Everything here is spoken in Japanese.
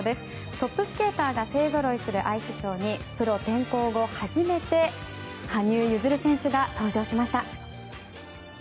トップスケーターが勢ぞろいするアイスショーにプロ転向後初めて羽生結弦選手が登場しました。